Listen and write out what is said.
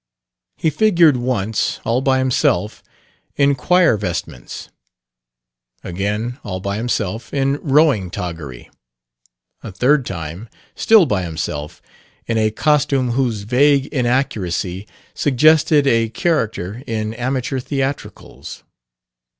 He figured once, all by himself, in choir vestments; again, all by himself, in rowing toggery; a third time, still by himself, in a costume whose vague inaccuracy suggested a character in amateur theatricals.